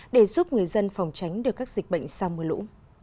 để giúp người dân phòng tránh được các dịch bệnh sau mưa lũ